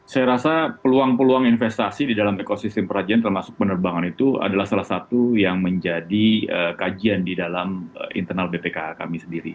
saya rasa peluang peluang investasi di dalam ekosistem perajian termasuk penerbangan itu adalah salah satu yang menjadi kajian di dalam internal bpkh kami sendiri